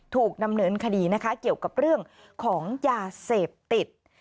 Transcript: ถูกดำเนินคดีนะคะเกี่ยวกับเรื่องของยาเสพติด